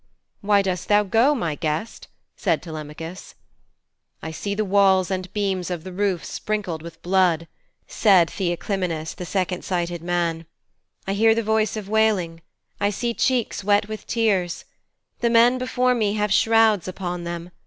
'Why dost thou go, my guest?' said Telemachus. 'I see the walls and the beams of the roof sprinkled with blood,' said Theoclymenus, the second sighted man. 'I hear the voice of wailing. I see cheeks wet with tears. The men before me have shrouds upon them.